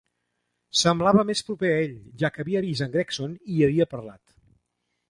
Semblava més proper a ell, ja que havia vist en Gregson i hi havia parlat.